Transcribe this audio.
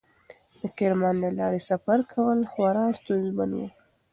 د کرمان له لارې سفر کول خورا ستونزمن و.